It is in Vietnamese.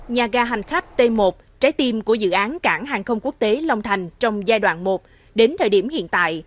nhà ga hành khách t một trái tim của dự án cảng hàng không quốc tế long thành trong giai đoạn một đến thời điểm hiện tại